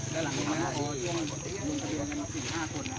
ก่อทางคุยพองเจ้ากัน